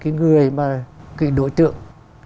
cái người mà cái đối tượng